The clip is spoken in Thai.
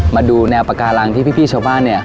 มาดูแนวปาการังที่พี่ชาวบ้านเนี่ย